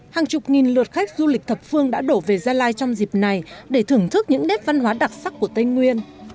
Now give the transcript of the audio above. hàng chục nghìn lượt khách du lịch thập phương đã đổ về gia lai trong dịp này để thưởng thức những nét văn hóa đặc sắc của tây nguyên